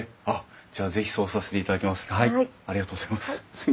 じゃあ是非そうさせていただきます。